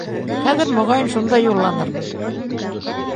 Хәҙер, моға йын, шунда юлланырмын